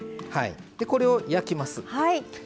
これを焼きます。